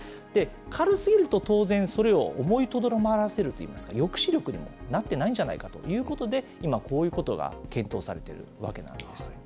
軽すぎると当然、それを思いとどまらせるといいますか、抑止力にもなってないんじゃないかということで、今、こういうことが検討されているわけなんです。